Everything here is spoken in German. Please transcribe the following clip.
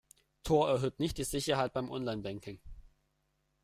Tor erhöht nicht die Sicherheit beim Online-Banking.